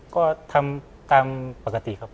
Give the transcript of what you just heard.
ก็ทำตามปกติครับ